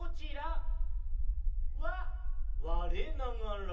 「われながら」。